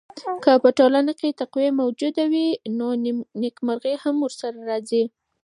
که په ټولنه کي تقوی موجوده وي نو نېکمرغي هم ورسره راځي.